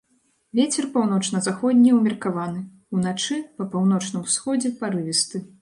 Вецер паўночна-заходні ўмеркаваны, уначы па паўночным усходзе парывісты.